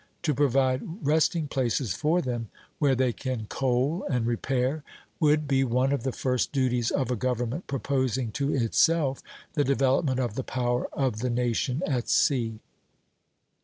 To provide resting places for them, where they can coal and repair, would be one of the first duties of a government proposing to itself the development of the power of the nation at sea.